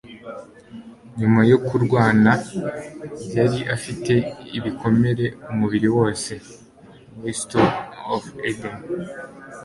Nyuma yo kurwana yari afite ibikomere umubiri wose (WestofEden)